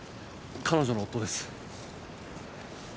彼女の夫です。